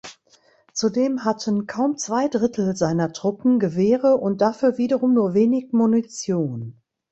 Zudem hatten kaum zwei Drittel seiner Truppen Gewehre und dafür wiederum nur wenig Munition.